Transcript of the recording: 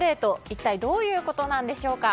一体どういうことなんでしょうか。